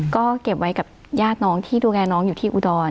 ก็เก็บไว้กับญาติน้องที่ดูแลน้องอยู่ที่อุดร